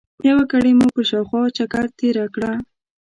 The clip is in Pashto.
یوه ګړۍ مو په شاوخوا چکر تېره کړه.